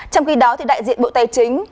trong khi đó thì đại diện bộ tài chính